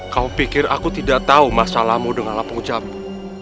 kau pikir aku tidak tahu masalahmu dengan lapung jambu